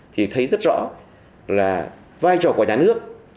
thì thấy rất rõ là vai trò của nhà nước